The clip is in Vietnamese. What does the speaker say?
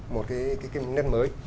một cái nét mới